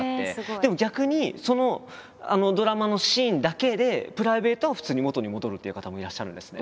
でも逆にそのドラマのシーンだけでプライベートは普通に元に戻るっていう方もいらっしゃるんですね。